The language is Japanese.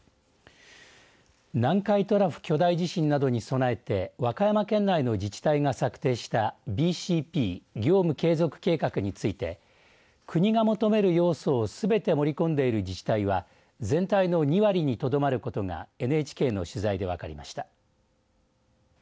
南海トラフ巨大地震などに備えて和歌山県内の自治体が策定したＢＣＰ＝業務継続計画について国が求める要素をすべて盛り込んでいる自治体は全体の２割にとどまることがＮＨＫの取材で分かりました。